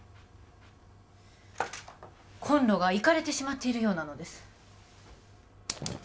コンロがいかれてしまっているようなのです